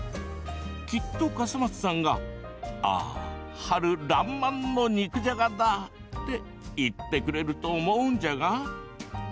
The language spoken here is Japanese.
きっと笠松さんがああ、春らんまんの肉じゃがだって言ってくれると思うんじゃが。